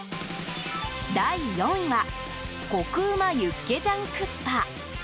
第４位はコク旨ユッケジャンクッパ。